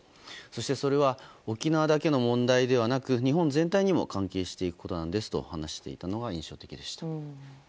そしてそれは沖縄だけの問題ではなく日本全体にも関係していくことなんですと話していたことが印象的でした。